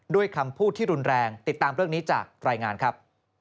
คำพูดที่รุนแรงติดตามเรื่องนี้จากรายงานครับ